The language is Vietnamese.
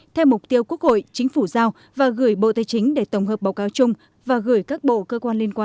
theo mục tiêu quốc hội chính phủ giao và gửi bộ tài chính để tổng hợp báo cáo chung và gửi các bộ cơ quan liên quan